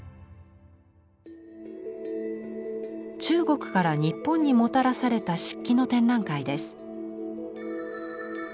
中国から日本にもたらされた漆器の展覧会です。